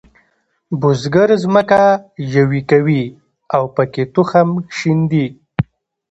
بزګر ځمکه یوي کوي او پکې تخم شیندي.